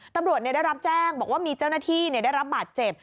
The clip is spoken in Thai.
ตำรวจได้รับแจ้งบอกว่ามีเจ้าหน้าที่ได้รับบาดเจ็บ